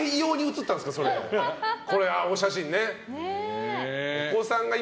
お写真ね。